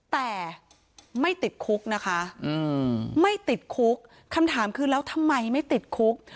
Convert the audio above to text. แต่ไม่ติดคุกนะคะไม่ติดคุกคำถามคือแล้วทำไมไม่ติดคุก